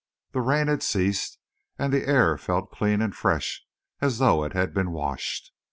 The rain had ceased, and the air felt clean and fresh as though it had been washed.